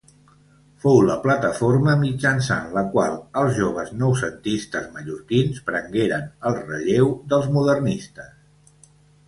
Fou la plataforma mitjançant la qual els joves noucentistes mallorquins prengueren el relleu dels modernistes.